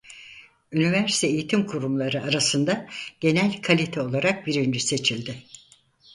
Üniversite eğitim kurumları arasında genel kalite olarak birinci seçildi.